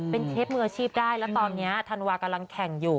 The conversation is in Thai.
เป็นเชฟมืออาชีพได้แล้วตอนนี้ธันวากำลังแข่งอยู่